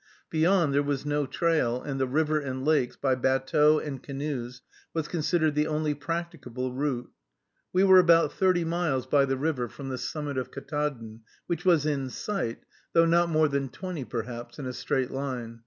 Beyond, there was no trail, and the river and lakes, by batteaux and canoes, was considered the only practicable route. We were about thirty miles by the river from the summit of Ktaadn, which was in sight, though not more than twenty, perhaps, in a straight line.